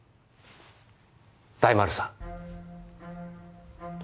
大丸さん。